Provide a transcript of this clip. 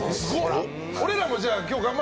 俺らもじゃあ。